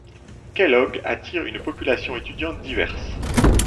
Kellogg attire une population étudiante diverse.